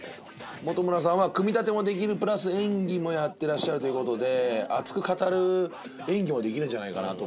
本村さんは組み立てもできるプラス演技もやってらっしゃるという事で熱く語る演技もできるんじゃないかなと思うところで。